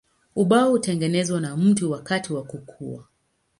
Ubao hutengenezwa na mti wakati wa kukua.